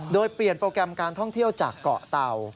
โดยเปลี่ยนโปรแกรมการท่องเที่ยวจากเกาะเตา